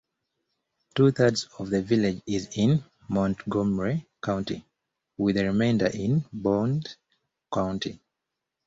Two-thirds of the village is in Montgomery County, with the remainder in Bond County.